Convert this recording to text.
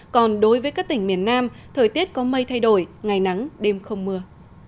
còn đối với các tỉnh miền nam thời tiết có mây thay đổi ngày nắng đêm không mưa